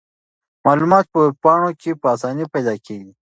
معلومات په ویب پاڼو کې په اسانۍ پیدا کیږي.